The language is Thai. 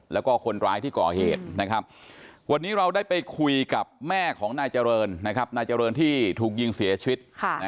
เดี๋ยวก็ได้ไปคุยกับแม่ของนายเจอร์เลินที่ถูกยิงเสียชวิต